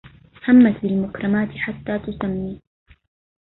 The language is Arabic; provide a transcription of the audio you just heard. همت بالمكرمات حتى تسمي